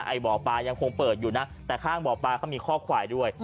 บ่อปลายังคงเปิดอยู่นะแต่ข้างบ่อปลาเขามีข้อควายด้วย